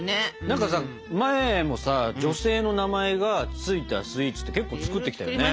何かさ前もさ女性の名前が付いたスイーツって結構作ってきたよね？